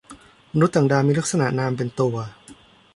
มนุษย์ต่างดาวมีลักษณะนามเป็นตัว